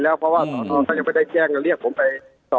เพราะว่าสนับสนับมันจะไปแจ้งหรืองั้น